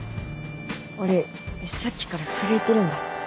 俺さっきから震えてるんだ